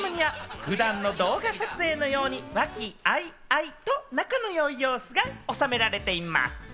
ＣＭには普段の動画撮影のように和気あいあいと仲の良い様子が収められています。